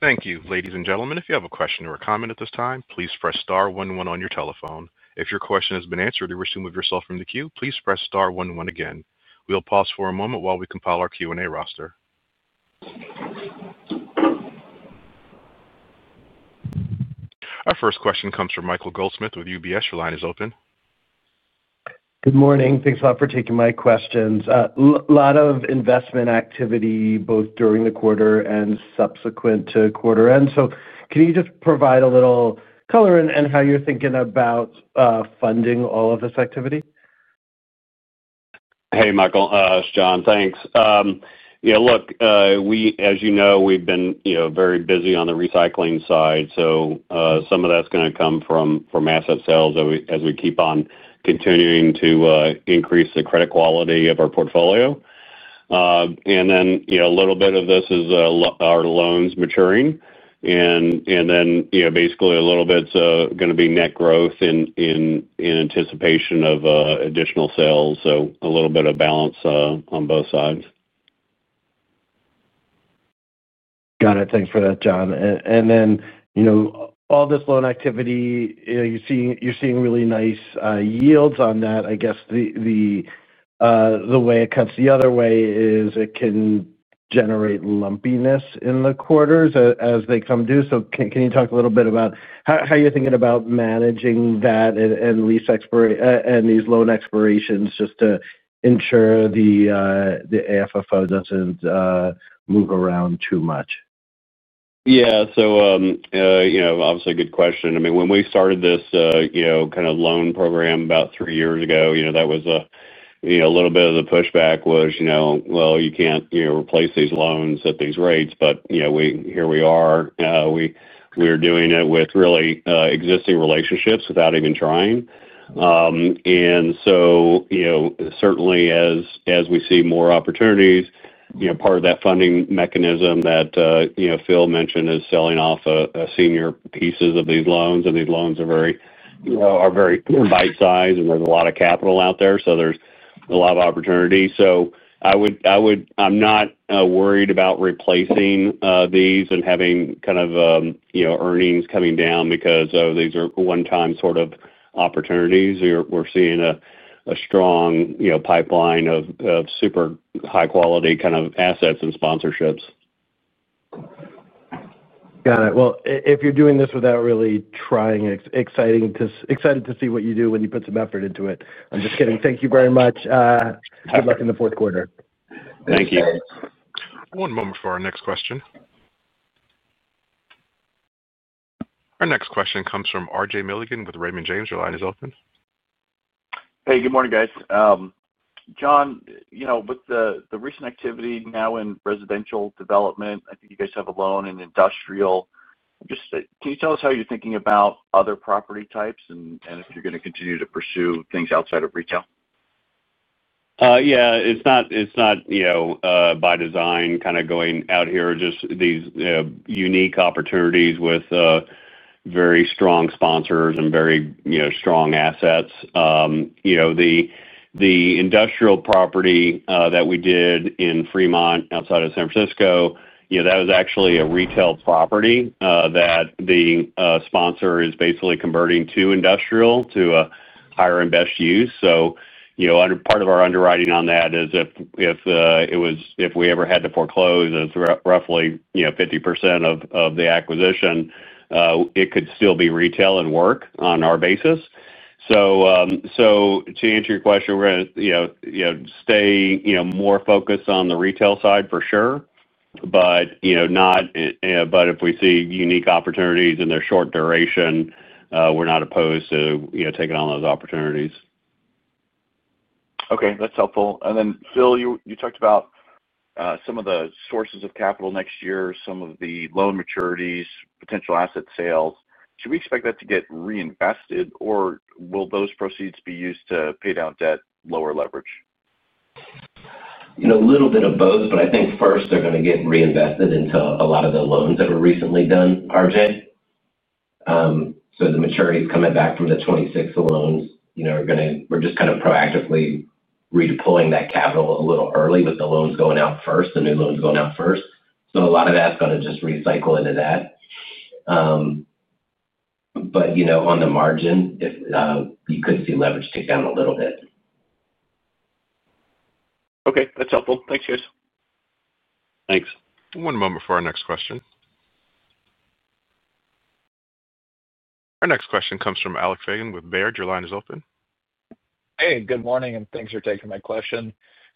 Thank you. Ladies and gentlemen, if you have a question or a comment at this time, please press star one-one on your telephone. If your question has been answered, you may remove yourself from the queue. Please press star one-one again. We'll pause for a moment while we compile our Q&A roster. Our first question comes from Michael Goldsmith with UBS. Your line is open. Good morning. Thanks a lot for taking my questions. A lot of investment activity, both during the quarter and subsequent to quarter end. Can you just provide a little color in how you're thinking about funding all of this activity? Hey, Michael. It's John. Thanks. You know, look, we, as you know, we've been very busy on the recycling side. Some of that's going to come from asset sales as we keep on continuing to increase the credit quality of our portfolio, and then a little bit of this is our loans maturing. Basically, a little bit is going to be net growth in anticipation of additional sales. A little bit of balance on both sides. Got it. Thanks for that, John. You know, all this loan activity, you're seeing really nice yields on that. I guess the way it cuts the other way is it can generate lumpiness in the quarters as they come due. Can you talk a little bit about how you're thinking about managing that and lease expiration and these loan expirations just to ensure the AFFO doesn't move around too much? Yeah. Obviously a good question. I mean, when we started this kind of loan program about three years ago, that was a little bit of the pushback, was, well, you can't replace these loans at these rates. Here we are, we're doing it with really existing relationships without even trying. Certainly, as we see more opportunities, part of that funding mechanism that Phil mentioned is selling off a senior pieces of these loans. These loans are very bite size, and there's a lot of capital out there. There's a lot of opportunity. I would say I'm not worried about replacing these and having kind of earnings coming down because these are one-time sort of opportunities. We're seeing a strong pipeline of super high-quality kind of assets and sponsorships. Got it. If you're doing this without really trying, it's exciting to see what you do when you put some effort into it. I'm just kidding. Thank you very much. Good luck in the fourth quarter. Thank you. One moment for our next question. Our next question comes from RJ Milligan with Raymond James. Your line is open. Hey, good morning, guys. John, with the recent activity now in residential development, I think you guys have a loan in industrial. Can you tell us how you're thinking about other property types and if you're going to continue to pursue things outside of retail? Yeah. It's not, it's not, you know, by design going out here, just these, you know, unique opportunities with very strong sponsors and very, you know, strong assets. The industrial property that we did in Fremont outside of San Francisco, that was actually a retail property that the sponsor is basically converting to industrial to a higher and best use. Under part of our underwriting on that is if we ever had to foreclose as roughly, you know, 50% of the acquisition, it could still be retail and work on our basis. To answer your question, we're going to stay more focused on the retail side for sure. If we see unique opportunities and they're short duration, we're not opposed to taking on those opportunities. Okay. That's helpful. Phil, you talked about some of the sources of capital next year, some of the loan maturities, potential asset sales. Should we expect that to get reinvested or will those proceeds be used to pay down debt, lower leverage? You know. A little bit of both, but I think first they're going to get reinvested into a lot of the loans that were recently done, RJ. The maturities coming back from the 2026 loans are going to, we're just kind of proactively redeploying that capital a little early with the loans going out first, the new loans going out first. A lot of that's going to just recycle into that. On the margin, you could see leverage take down a little bit. Okay. That's helpful. Thanks, John. Thanks. One moment for our next question. Our next question comes from Alex Fagan with Baird. Your line is open. Good morning, and thanks for taking my question.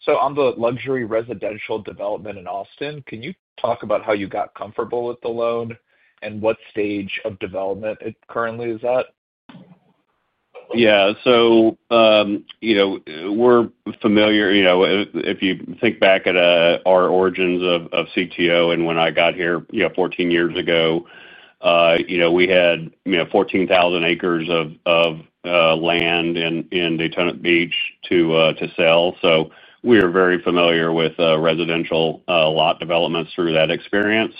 On the luxury residential development in Austin, can you talk about how you got comfortable with the loan and what stage of development it currently is at? Yeah. We're familiar, if you think back at our origins of CTO and when I got here 14 years ago, we had 14,000 acres of land in Daytona Beach to sell. We are very familiar with residential lot developments through that experience.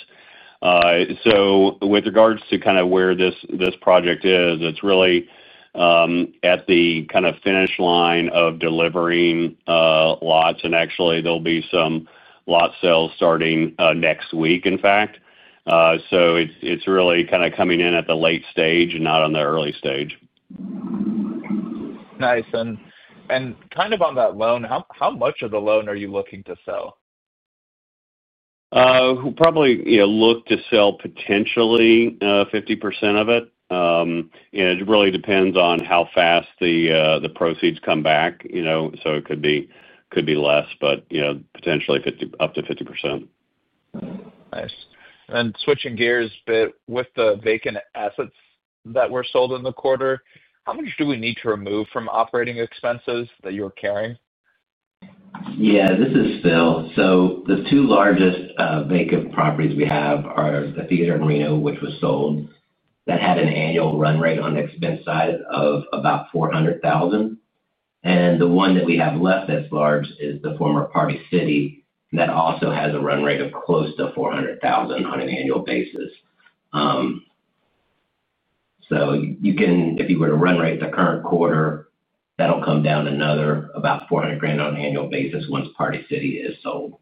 With regards to kind of where this project is, it's really at the finish line of delivering lots. Actually, there'll be some lot sales starting next week, in fact. It's really kind of coming in at the late stage and not on the early stage. Nice. On that loan, how much of the loan are you looking to sell? Probably look to sell potentially 50% of it. It really depends on how fast the proceeds come back. It could be less, but potentially 50% up to 50%. Nice. Switching gears a bit, with the vacant assets that were sold in the quarter, how much do we need to remove from operating expenses that you're carrying? Yeah. This is Phil. The two largest vacant properties we have are the Theater Reno, which was sold, that had an annual run rate on the expense side of about $400,000. The one that we have left that's large is the former Party City that also has a run rate of close to $400,000 on an annual basis. If you were to run rate the current quarter, that'll come down another about $400,000 on an annual basis once Party City is sold.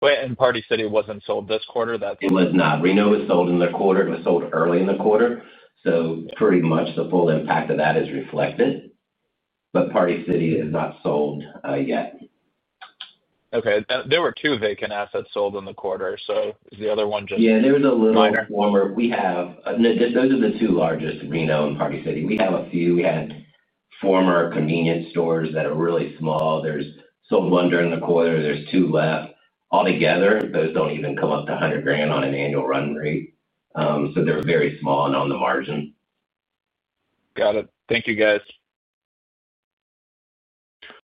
Wait, and Party City wasn't sold this quarter? It was not. Reno was sold in the quarter. It was sold early in the quarter, so pretty much the full impact of that is reflected. Party City is not sold yet. Okay. There were two vacant assets sold in the quarter. Is the other one just minor? Yeah. We have, no, those are the two largest, Reno and Party City. We have a few. We had former convenience stores that are really small. We sold one during the quarter. There's two left. Altogether, those don't even come up to $100,000 on an annual run rate. They're very small and on the margin. Got it. Thank you, guys.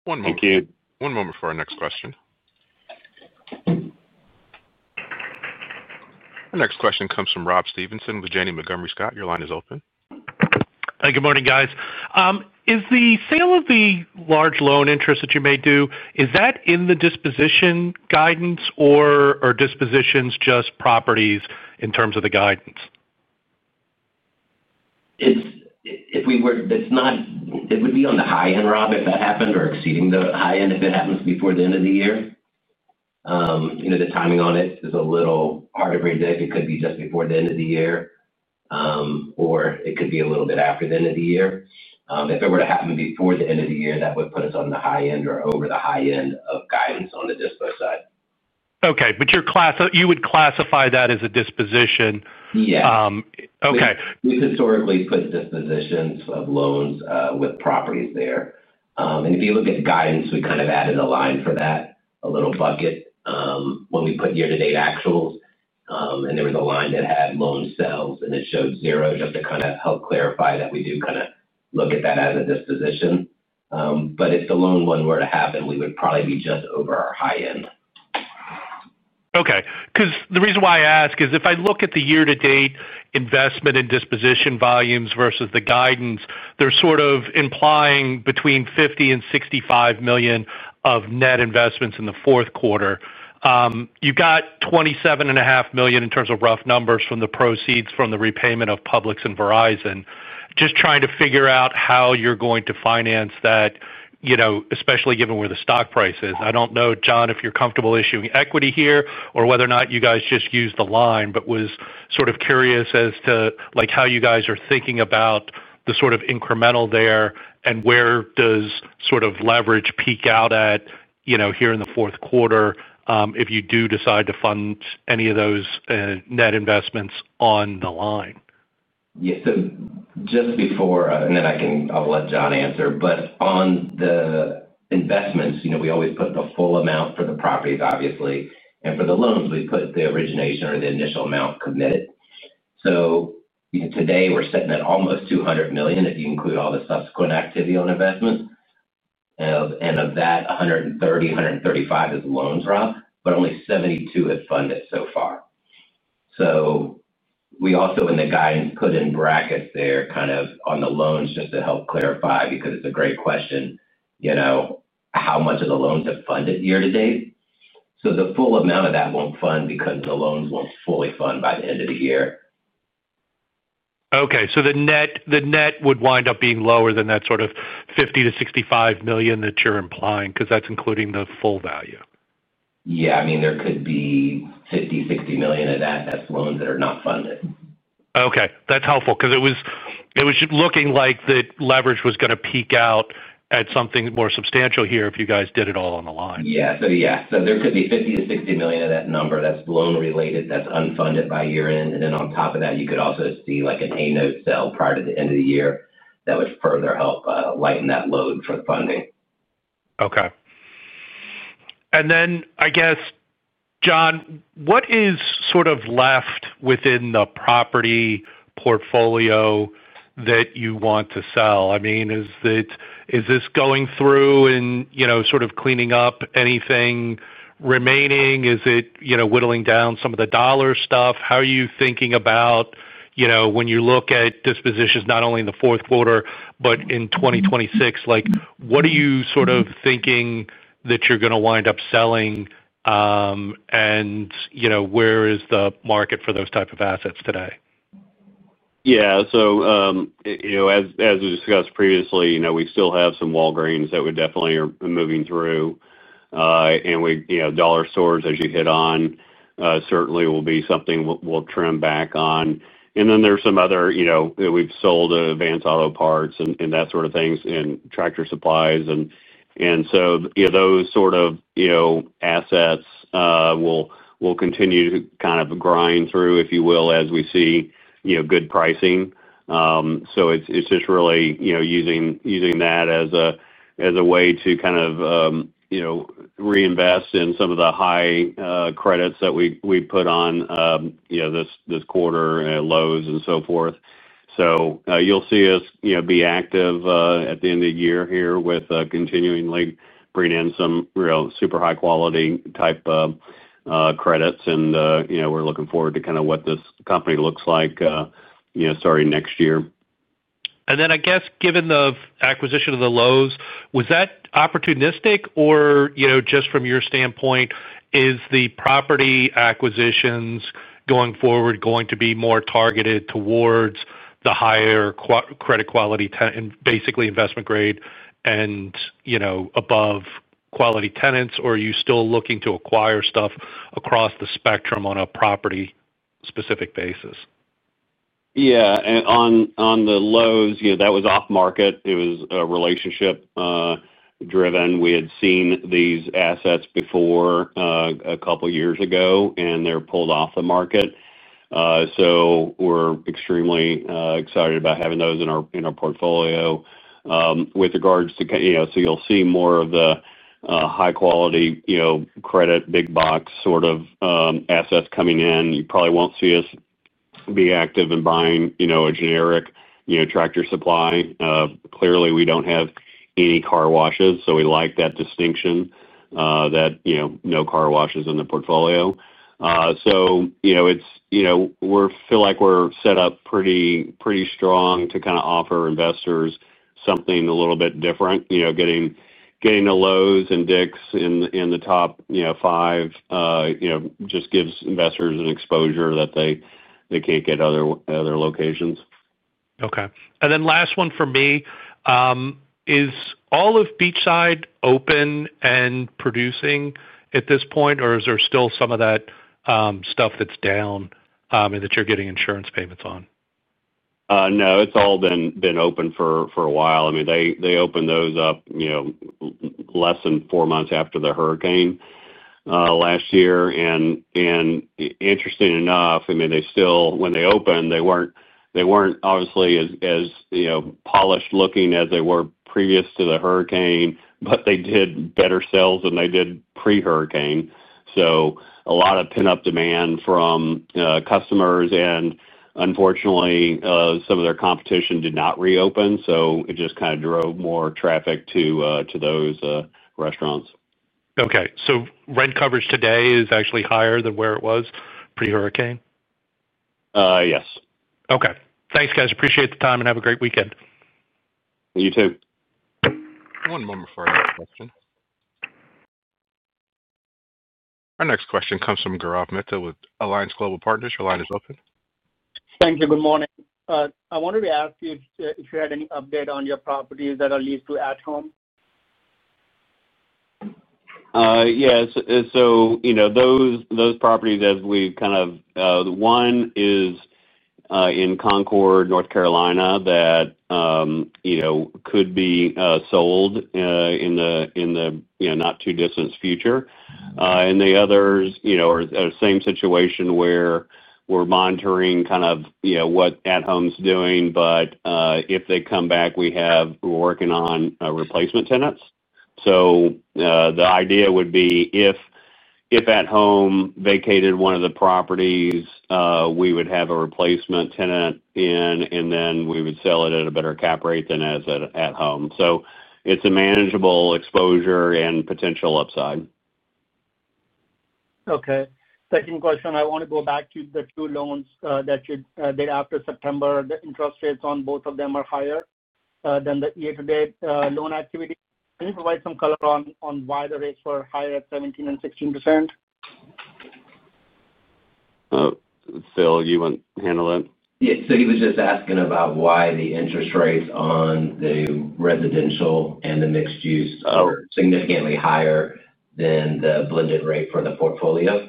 Thank you. One moment for our next question. Our next question comes from Rob Stevenson with Janney Montgomery Scott. Your line is open. Good morning, guys. Is the sale of the large loan interest that you may do, is that in the disposition guidance, or are dispositions just properties in terms of the guidance? If we were, it's not, it would be on the high end, Rob, if that happened, or exceeding the high end if it happens before the end of the year. The timing on it is a little hard to predict. It could be just before the end of the year, or it could be a little bit after the end of the year. If it were to happen before the end of the year, that would put us on the high end or over the high end of guidance on the dispos side. Okay. You would classify that as a disposition? Yes. We've historically put dispositions of loans with properties there. If you look at guidance, we kind of added a line for that, a little bucket, when we put year-to-date actuals. There was a line that had loan sales and it showed zero, just to kind of help clarify that we do kind of look at that as a disposition. If the loan one were to happen, we would probably be just over our high end. Okay. The reason why I ask is if I look at the year-to-date investment and disposition volumes versus the guidance, they're sort of implying between $50 million and $65 million of net investments in the fourth quarter. You've got $27.5 million in terms of rough numbers from the proceeds from the repayment of Publix and Verizon. Just trying to figure out how you're going to finance that, especially given where the stock price is. I don't know, John, if you're comfortable issuing equity here or whether or not you guys just use the line, but was sort of curious as to how you guys are thinking about the sort of incremental there and where does sort of leverage peak out at here in the fourth quarter, if you do decide to fund any of those net investments on the line? Yeah. Just before, I'll let John answer. On the investments, you know, we always put the full amount for the properties, obviously. For the loans, we put the origination or the initial amount committed. You know, today we're sitting at almost $200 million if you include all the subsequent activity on investments. Of that, $130 million, $135 million is loans, Rob, but only $72 million have funded so far. We also, in the guidance, put in brackets there kind of on the loans just to help clarify because it's a great question, you know, how much of the loans have funded year to date. The full amount of that won't fund because the loans won't fully fund by the end of the year. Okay. The net would wind up being lower than that sort of $50 million-$65 million that you're implying because that's including the full value? Yeah, I mean, there could be $50 million, $60 million of that that's loans that are not funded. Okay. That's helpful because it was looking like the leverage was going to peak out at something more substantial here if you guys did it all on the line. There could be $50 to $60 million of that number that's loan-related that's unfunded by year-end. On top of that, you could also see like an A note sale prior to the end of the year that would further help lighten that load for the funding. Okay. John, what is sort of left within the property portfolio that you want to sell? Is this going through and, you know, sort of cleaning up anything remaining? Is it whittling down some of the dollar stuff? How are you thinking about, you know, when you look at dispositions, not only in the fourth quarter, but in 2026, what are you sort of thinking that you're going to wind up selling? You know, where is the market for those types of assets today? Yeah. As we discussed previously, we still have some Walgreens that we definitely are moving through. We, you know, dollar stores, as you hit on, certainly will be something we'll trim back on. There's some other, you know, that we've sold, Advance Auto Parts and that sort of things and Tractor Supply. Those sort of assets will continue to kind of grind through, if you will, as we see good pricing. It's just really using that as a way to kind of reinvest in some of the high credits that we put on this quarter, and loans and so forth. You'll see us be active at the end of the year here with continuingly bringing in some real super high-quality type credits. We're looking forward to kind of what this company looks like starting next year. Given the acquisition of the Lowe’s, was that opportunistic or, just from your standpoint, is the property acquisitions going forward going to be more targeted towards the higher credit quality and basically investment grade and above quality tenants? Are you still looking to acquire stuff across the spectrum on a property-specific basis? Yeah. On the Lowe’s, that was off-market. It was relationship-driven. We had seen these assets before, a couple of years ago, and they were pulled off the market. We’re extremely excited about having those in our portfolio. With regards to, you’ll see more of the high-quality, credit, big box sort of assets coming in. You probably won’t see us be active in buying a generic tractor supply. Clearly, we don’t have any car washes. We like that distinction, that no car washes in the portfolio. We feel like we’re set up pretty strong to kind of offer investors something a little bit different. Getting the Lowe’s and DICK’s in the top five just gives investors an exposure that they can’t get in other locations. Okay. Last one for me, is all of Beachside open and producing at this point, or is there still some of that stuff that's down, and that you're getting insurance payments on? No, it's all been open for a while. I mean, they opened those up less than four months after the hurricane last year. Interestingly enough, they still, when they opened, they weren't obviously as polished looking as they were previous to the hurricane, but they did better sales than they did pre-hurricane. A lot of pent-up demand from customers and, unfortunately, some of their competition did not reopen. It just kind of drove more traffic to those restaurants. Okay. Rent coverage today is actually higher than where it was pre-hurricane? Yes. Okay. Thanks, guys. Appreciate the time and have a great weekend. You too. One moment for our next question. Our next question comes from Gaurav Mehta with Alliance Global Partners. Your line is open. Thank you. Good morning. I wanted to ask you if you had any update on your properties that are leased to At Home? Yes. Those properties, as we kind of, the one is in Concord, North Carolina, that could be sold in the not too distant future. The others are a same situation where we're monitoring what At Home's doing. If they come back, we're working on replacement tenants. The idea would be if At Home vacated one of the properties, we would have a replacement tenant in, and then we would sell it at a better cap rate than as an At Home. It's a manageable exposure and potential upside. Okay. Second question. I want to go back to the two loans that you did after September. The interest rates on both of them are higher than the year-to-date loan activity. Can you provide some color on why the rates were higher at 17% and 16%? Phil, you want to handle it? Yeah, he was just asking about why the interest rates on the residential and the mixed-use are significantly higher than the blended rate for the portfolio. Yeah.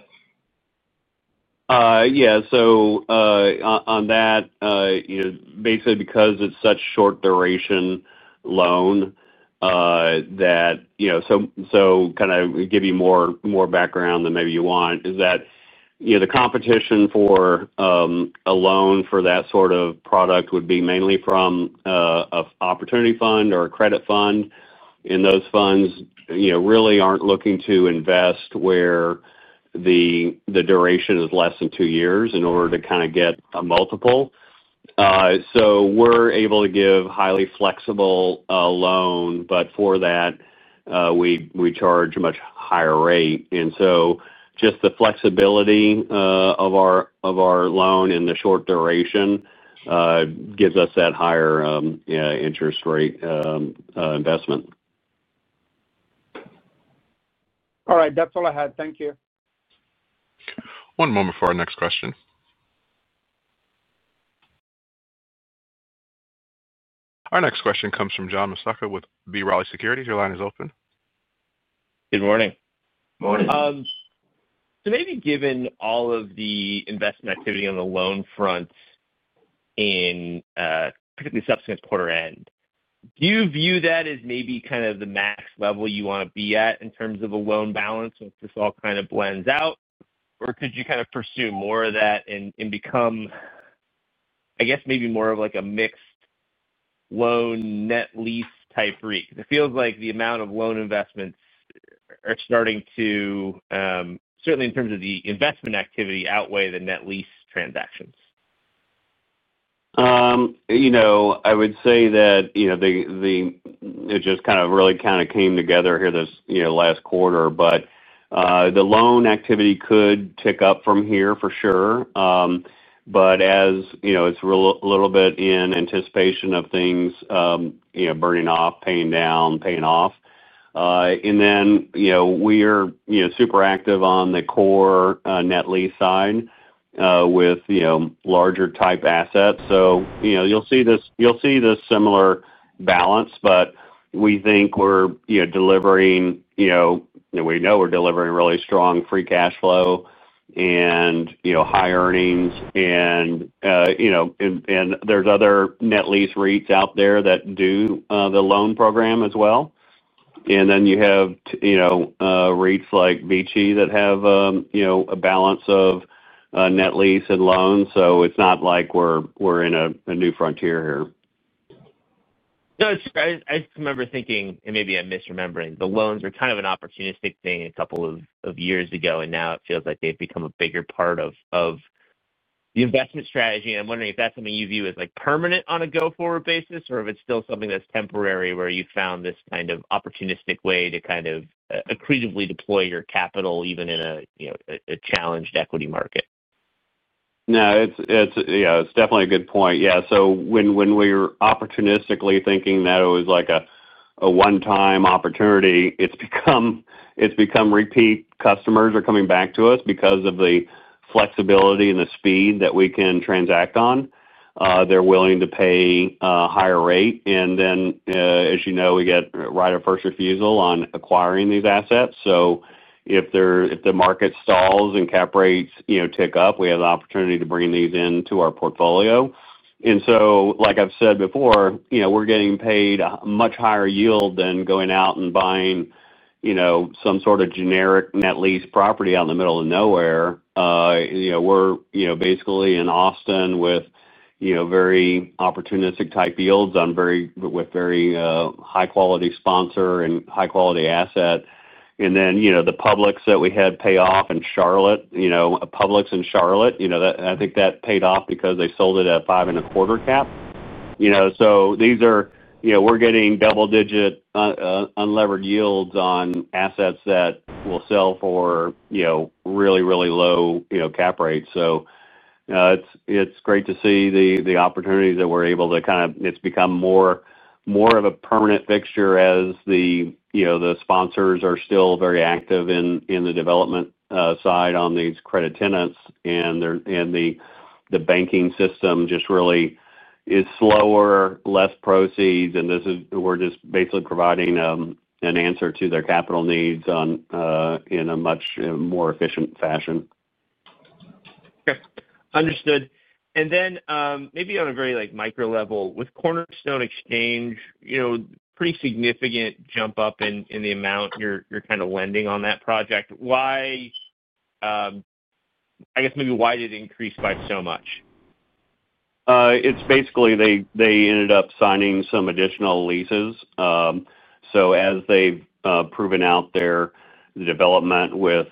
On that, basically, because it's such a short-duration loan, to give you more background than maybe you want, the competition for a loan for that sort of product would be mainly from an opportunity fund or a credit fund. Those funds really aren't looking to invest where the duration is less than two years in order to get a multiple. We're able to give a highly flexible loan, but for that, we charge a much higher rate. Just the flexibility of our loan and the short duration gives us that higher interest rate investment. All right. That's all I had. Thank you. One moment for our next question. Our next question comes from John Massocca with B. Riley Securities. Your line is open. Good morning. Morning. Given all of the investment activity on the loan front, particularly subsequent to quarter end, do you view that as maybe kind of the max level you want to be at in terms of a loan balance if this all kind of blends out? Or could you pursue more of that and become, I guess, maybe more of like a mixed loan net lease type REIT? It feels like the amount of loan investments are starting to, certainly in terms of the investment activity, outweigh the net lease transactions. I would say that it just kind of really came together here this last quarter. The loan activity could tick up from here for sure, as it's a little bit in anticipation of things burning off, paying down, paying off. We are super active on the core net lease side with larger type assets. You'll see this similar balance, but we think we're delivering, and we know we're delivering, really strong free cash flow and high earnings. There are other net lease REITs out there that do the loan program as well. You have REITs like Vichy that have a balance of net lease and loans. It's not like we're in a new frontier here. No, it's true. I just remember thinking, and maybe I'm misremembering, the loans were kind of an opportunistic thing a couple of years ago, and now it feels like they've become a bigger part of the investment strategy. I'm wondering if that's something you view as permanent on a go-forward basis or if it's still something that's temporary where you found this kind of opportunistic way to accretively deploy your capital even in a, you know, a challenged equity market. No, it's definitely a good point. Yeah. When we were opportunistically thinking that it was like a one-time opportunity, it's become repeat. Customers are coming back to us because of the flexibility and the speed that we can transact on. They're willing to pay a higher rate. As you know, we get right of first refusal on acquiring these assets. If the market stalls and cap rates tick up, we have the opportunity to bring these into our portfolio. Like I've said before, we're getting paid a much higher yield than going out and buying some sort of generic net lease property out in the middle of nowhere. We're basically in Austin with very opportunistic type yields with very high-quality sponsor and high-quality asset. The Publix that we had pay off in Charlotte, a Publix in Charlotte, I think that paid off because they sold it at a 5.25% cap. These are, we're getting double-digit unlevered yields on assets that will sell for really, really low cap rates. It's great to see the opportunities that we're able to kind of, it's become more of a permanent fixture as the sponsors are still very active in the development side on these credit tenants. The banking system just really is slower, less proceeds. We're just basically providing an answer to their capital needs in a much more efficient fashion. Okay. Understood. Maybe on a very micro level, with Cornerstone Exchange, pretty significant jump up in the amount you're kind of lending on that project. Why, I guess, maybe why did it increase by so much? They ended up signing some additional leases. As they've proven out their development with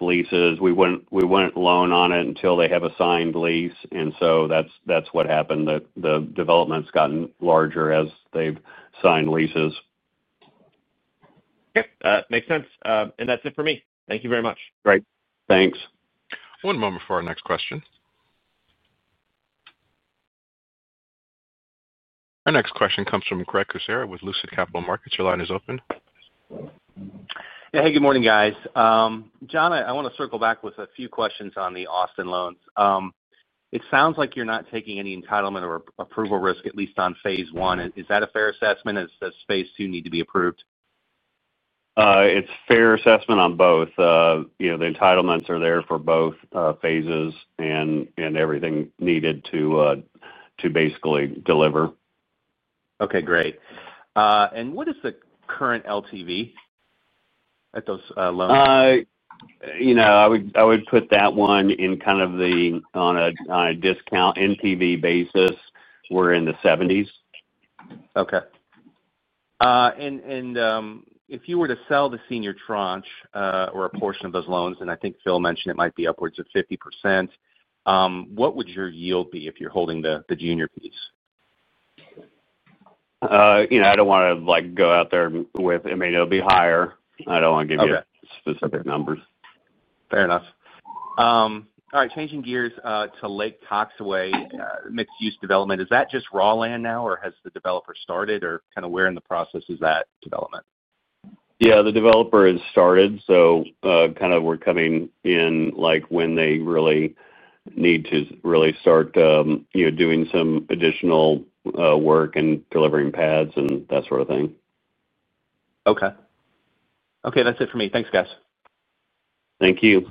leases, we wouldn't loan on it until they have a signed lease. That's what happened. The development's gotten larger as they've signed leases. Yep. That makes sense, and that's it for me. Thank you very much. Great. Thanks. One moment for our next question. Our next question comes from Craig Kucera with Lucid Capital Markets. Your line is open. Yeah. Hey, good morning, guys. John, I want to circle back with a few questions on the Austin loans. It sounds like you're not taking any entitlement or approval risk, at least on phase one. Is that a fair assessment? Does phase two need to be approved? It's a fair assessment on both. You know, the entitlements are there for both phases and everything needed to basically deliver. Okay. Great. What is the current LTV at those loans, you know. I would put that one in kind of on a discount MTV basis, we're in the 70s. Okay, if you were to sell the senior tranche or a portion of those loans, and I think Phil mentioned it might be upwards of 50%, what would your yield be if you're holding the junior piece? You know. I don't want to go out there. I mean, it'll be higher. I don't want to give you specific numbers. Fair enough. All right. Changing gears, to Lake Coxway, mixed-use development. Is that just raw land now, or has the developer started, or kind of where in the process is that development? Yeah. The developer has started. We're coming in when they really need to start doing some additional work and delivering pads and that sort of thing. Okay. That's it for me. Thanks, guys. Thank you.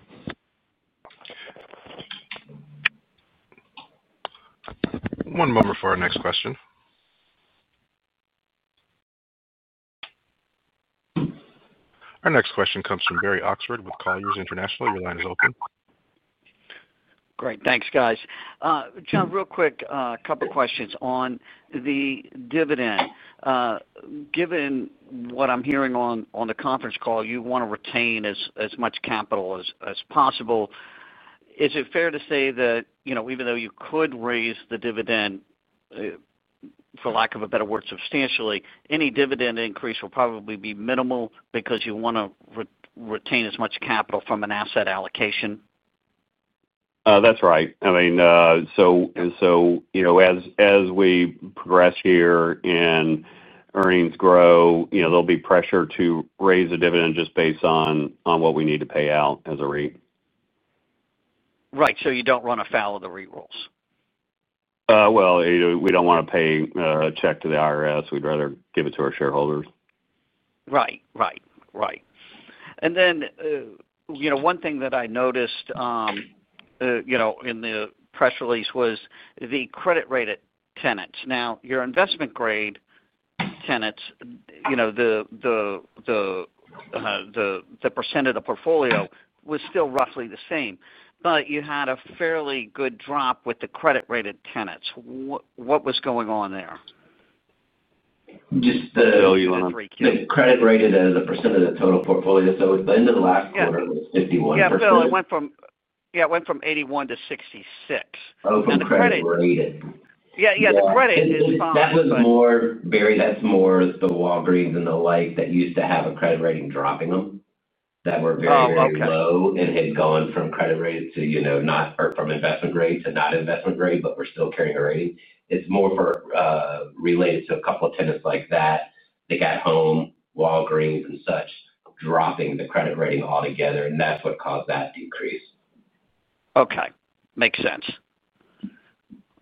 One moment for our next question. Our next question comes from Barry Oxford with Colliers International. Your line is open. Great. Thanks, guys. John, real quick, a couple of questions on the dividend. Given what I'm hearing on the conference call, you want to retain as much capital as possible. Is it fair to say that, you know, even though you could raise the dividend, for lack of a better word, substantially, any dividend increase will probably be minimal because you want to retain as much capital from an asset allocation? That's right. As we progress here and earnings grow, there'll be pressure to raise a dividend just based on what we need to pay out as a REIT. Right. You don't run afoul of the REIT rules. We don't want to pay a check to the IRS. We'd rather give it to our shareholders. Right. One thing that I noticed in the press release was the credit-rated tenants. Now, your investment-grade tenants, the percent of the portfolio was still roughly the same, but you had a fairly good drop with the credit-rated tenants. What was going on there? Just the credit-rated as a % of the total portfolio. At the end of the last quarter, it was 51%. Yeah, it went from 81% to 66%. Oh, from the credit-rated. Yeah, the credit is fine. That was more, Barry, that's more the Walgreens and the like that used to have a credit rating dropping them that were very, very low and had gone from credit rated to, you know, not or from investment-grade to not investment-grade, but were still carrying a rating. It's more for, related to a couple of tenants like that, like At Home, Walgreens, and such, dropping the credit rating altogether. That's what caused that decrease. Okay. Makes sense.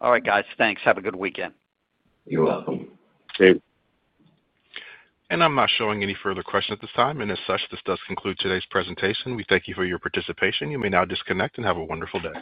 All right, guys. Thanks. Have a good weekend. You're welcome. Thanks. I'm not showing any further questions at this time. As such, this does conclude today's presentation. We thank you for your participation. You may now disconnect and have a wonderful day.